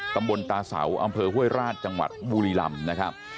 ตำบลตาเสาอำเภอห้วยราชจังหวัดบุรีลำนะครับ